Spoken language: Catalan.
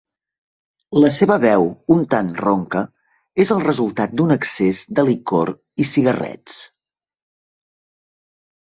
La seva veu un tant ronca és el resultat d'un excés de licor i cigarrets.